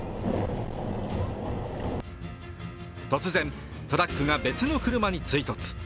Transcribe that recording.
突然、トラックが別の車に追突。